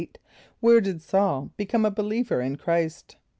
= Where did S[a:]ul become a believer in Chr[=i]st?